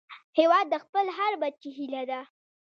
هیواد د خپل هر بچي هيله ده